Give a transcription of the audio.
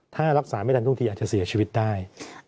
ถ้ารักษาไม่ทันทุกทีอาจจะเสียชีวิตได้